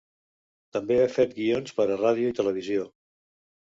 També ha fet guions per a ràdio i televisió.